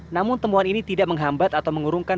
namun temuan ini tidak menghambat atau mengurungkan